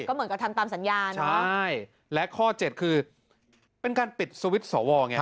ก็เหมือนกับทำตามสัญญานะใช่และข้อเจ็ดคือเป็นการปิดสวิตช์สวไง